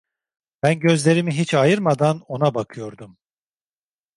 Ben gözlerimi hiç ayırmadan ona bakıyordum.